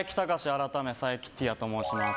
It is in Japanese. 改め佐伯ティアと申します。